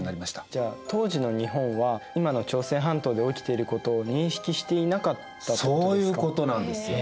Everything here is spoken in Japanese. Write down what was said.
じゃあ当時の日本は今の朝鮮半島で起きていることを認識していなかったってことですか？